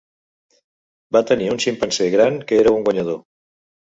Va tenir un ximpanzé gran que era un guanyador.